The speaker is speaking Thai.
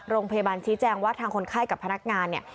โรงพยาบาลชี้แจงว่าทางคนไข้กับพนักงานเนี่ย